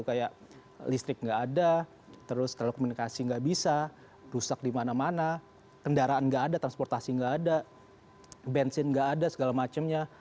kayak listrik nggak ada terus telekomunikasi nggak bisa rusak di mana mana kendaraan nggak ada transportasi nggak ada bensin nggak ada segala macamnya